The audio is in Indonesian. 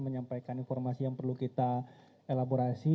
menyampaikan informasi yang perlu kita elaborasi